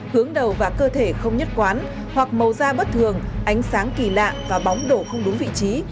hướng đầu và cơ thể không nhất quán hoặc màu da bất thường ánh sáng kỳ lạ và bóng đổ không đúng vị trí